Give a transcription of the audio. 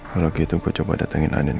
kalau gitu gue coba datengin anin